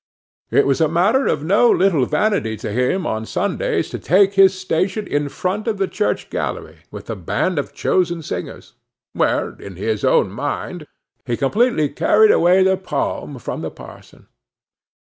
It was a matter of no little vanity to him on Sundays, to take his station in front of the church gallery, with a band of chosen singers; where, in his own mind, he completely carried away the palm from the parson.